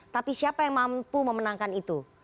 tapi siapa yang mampu memenangkan itu